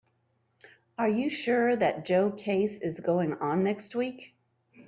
Are you sure that Joe case is going on next week?